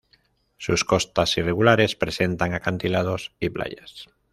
Sus costas, irregulares, presentan acantilados y playas.